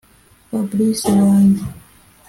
fabric wajye,